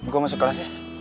gue masuk kelas ya